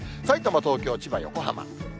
さいたま、東京、千葉、横浜。